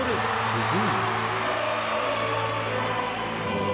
すげぇな。